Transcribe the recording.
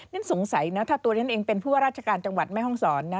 ฉันสงสัยนะถ้าตัวฉันเองเป็นผู้ว่าราชการจังหวัดแม่ห้องศรนะ